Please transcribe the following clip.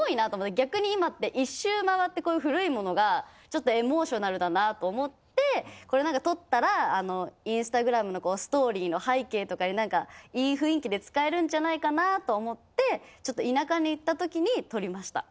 逆に今って１周まわってこういう古いモノがちょっとエモーショナルだなと思ってこれ何か撮ったらインスタグラムのこうストーリーの背景とかになんかいい雰囲気で使えるんじゃないかなと思ってちょっと田舎に行ったときに撮りました。